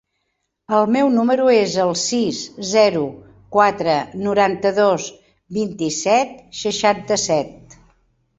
El meu número es el sis, zero, quatre, noranta-dos, vint-i-set, seixanta-set.